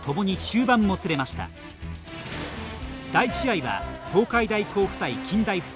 第１試合は東海大甲府対近大付属。